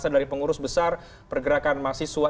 dari pengurus besar pergerakan mahasiswa